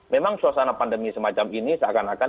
memang suasana pandemi semacam ini seakan akan